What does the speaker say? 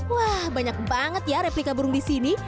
wah banyak banget ya replika burung di sini